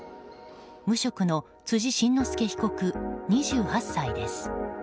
無職の辻真之介被告、２８歳です。